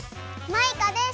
マイカです！